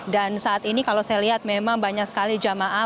dengan didendamkan sesuatu untuk mereka's health